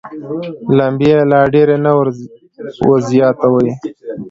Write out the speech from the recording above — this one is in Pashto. لمبې یې لا ډېرې نه وزياتوي.